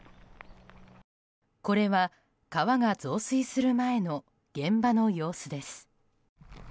これは川が増水する前の現場の様子です。